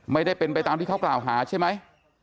ไม่ได้เป็นไปตามที่เขากล่าวหาใช่ไหม